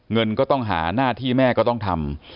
เงินก็ต้องหาหน้าที่แม่ก็ต้องทำ